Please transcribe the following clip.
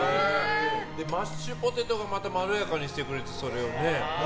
マッシュポテトがまたまろやかにしてくれて、それをね。